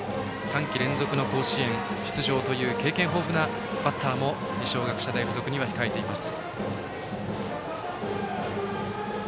３季連続の甲子園出場という経験豊富なバッターも二松学舎大付属には控えています。